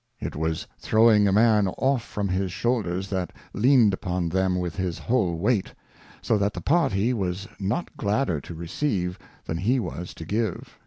It was throwing a Man off from his Shoulders, that leaned upon them with his whole weight; so that the Party was not gladder to receive, than he was to give.